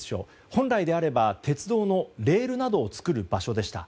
本来であれば鉄道のレールなどを作る場所でした。